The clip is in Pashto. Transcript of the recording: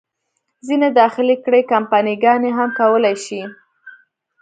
ځینې داخلي کړۍ، کمپني ګانې هم کولای شي.